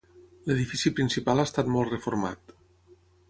L'edifici principal ha estat molt reformat.